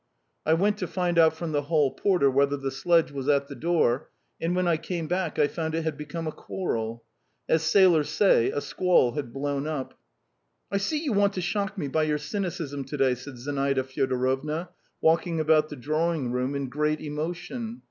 I went to find out from the hall porter whether the sledge was at the door, and when I came back I found it had become a quarrel. As sailors say, a squall had blown up. "I see you want to shock me by your cynicism today," said Zinaida Fyodorovna, walking about the drawing room in great emotion.